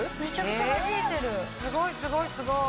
すごいすごいすごい！